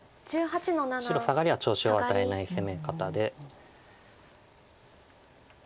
白サガリは調子を与えない攻め方で。